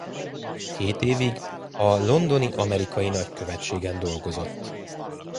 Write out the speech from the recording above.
Két évig a londoni amerikai nagykövetségen dolgozott.